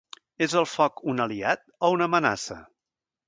És el foc un aliat o una amenaça?